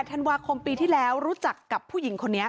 ธันวาคมปีที่แล้วรู้จักกับผู้หญิงคนนี้